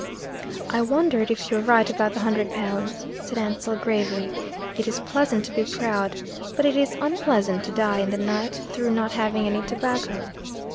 "I wondered if you're right about the hundred pounds," said Ansell gravely. "It is pleasant to be proud, but it is unpleasant to die in the night through not having any tobacco."